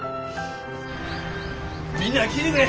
みんな聞いてくれ！